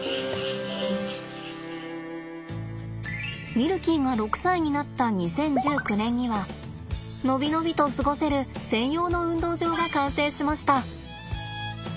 ミルキーが６歳になった２０１９年には伸び伸びと過ごせる専用の運動場が完成しました。